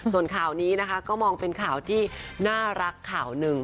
ส่วนข่าวนี้นะคะก็มองเป็นข่าวที่น่ารักข่าวหนึ่ง